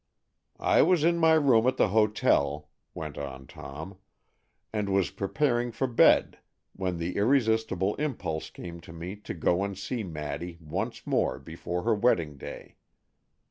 "I was in my room at the hotel," went on Tom, "and was preparing for bed when the irresistible impulse came to me to go and see Maddy once more before her wedding day.